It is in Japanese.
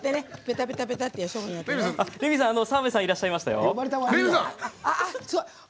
レミさん、澤部さんがいらっしゃいましたよね。